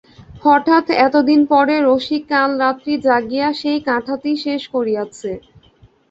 হঠাৎ এতদিন পরে রসিক কাল রাত্রি জাগিয়া সেই কাঁথাটি শেষ করিয়াছে।